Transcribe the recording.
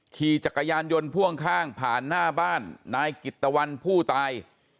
ขี่จักรยานยนต์พ่วงข้างผ่านหน้าบ้านนายกิตตะวันผู้ตาย